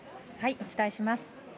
お伝えします。